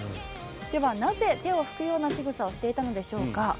ではなぜ、手を拭くようなしぐさをしていたんでしょうか。